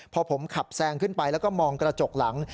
พอผมขับแซงขึ้นไปแล้วก็มองกระจกหลัง